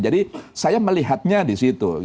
jadi saya melihatnya disitu